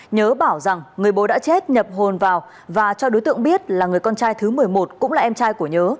nhớ bảo rằng người bố đã chết nhập hồn vào và cho đối tượng biết là người con trai thứ một mươi một cũng là em trai của nhớ